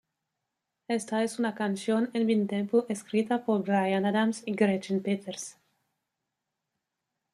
Esta es una canción en Midtempo escrita por Bryan Adams y Gretchen Peters.